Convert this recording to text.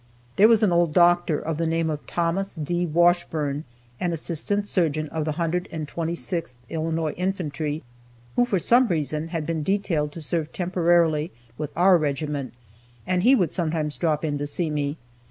There was an old doctor, of the name of Thomas D. Washburn, an assistant surgeon of the 126th Illinois Infantry, who, for some reason, had been detailed to serve temporarily with our regiment, and he would sometimes drop in to see me.